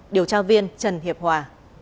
điều tra viên trần hiệp hòa